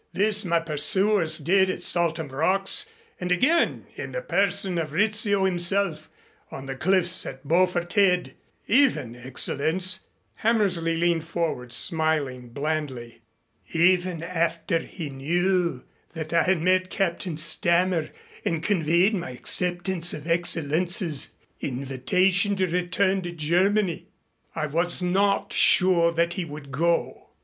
This my pursuers did at Saltham Rocks and again in the person of Rizzio himself on the cliffs at Beaufort Head even, Excellenz" Hammersley leaned forward, smiling blandly "even after he knew that I had met Captain Stammer and conveyed my acceptance of Excellenz's invitation to return to Germany." "I was not sure that he would go."